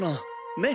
ねっ？